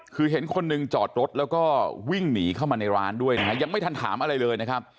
คือเห็นคนหนึ่งจอดรถแล้วก็วิ่งหนีเข้ามาในร้านด้วยนะฮะยังไม่ทันถามอะไรเลยนะครับ